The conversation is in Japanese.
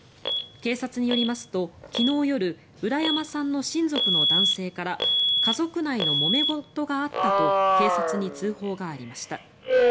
警察によりますと昨日夜浦山さんの親族の男性から家族内のもめ事があったと警察に通報がありました。